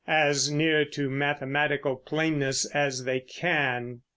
as near to mathematical plainness as they can."